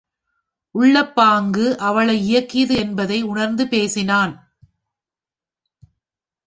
உள்ளப்பாங்கு அவளை இயக்கியது என்பதை உணர்ந்து பேசினான்.